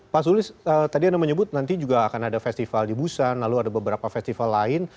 pak sulis tadi anda menyebut nanti juga akan ada festival di busan lalu ada beberapa festival lain